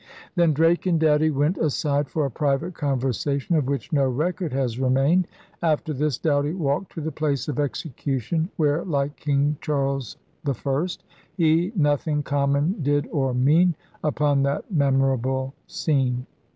Then Drake and Doughty went aside for a private conversation of which no record has remained. After this Doughty walked to the place of execu tion, where, like King Charles I, He nothing common did or mean Upon that memorable scene.